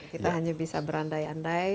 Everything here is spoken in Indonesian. kita hanya bisa berandai andai